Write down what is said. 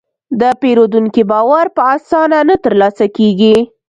د پیرودونکي باور په اسانه نه ترلاسه کېږي.